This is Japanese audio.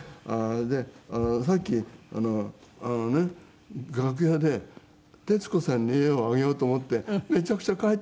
でさっきあのね楽屋で徹子さんに絵をあげようと思ってめちゃくちゃ描いたんですよ。